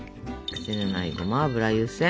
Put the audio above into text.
癖のないごま油湯せん。